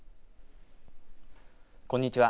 こんにちは。